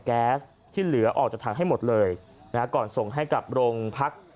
แก๊สที่เหลือออกจากถังให้หมดเลยนะฮะก่อนส่งให้กับโรงพัก